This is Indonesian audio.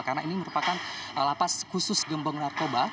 karena ini merupakan lapas khusus gembong narkoba